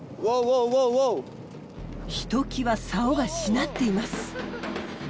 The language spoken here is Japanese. ひときわ竿がしなっています。